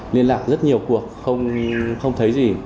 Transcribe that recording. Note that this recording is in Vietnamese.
liên lạc rất nhiều cuộc không thấy gì